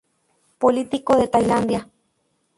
Político de Tailandia.